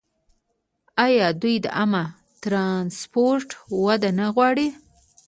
آیا دوی د عامه ټرانسپورټ وده نه غواړي؟